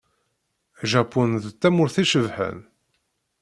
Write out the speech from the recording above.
Japun d tamurt icebḥen.